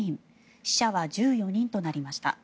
死者は１４人となりました。